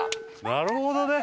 なるほどね。